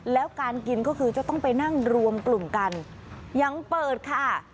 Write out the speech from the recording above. แล้วการกินก็คือจะต้องไปนั่งรวมกลุ่มกันยังเปิดค่ะ